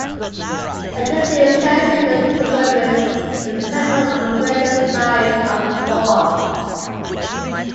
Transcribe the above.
A discrete sensory disturbance is present on the radial side of the forearm.